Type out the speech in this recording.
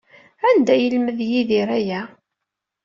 Anda ay yelmed Yidir aya?